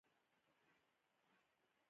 ایا دلته ښه متخصص شته؟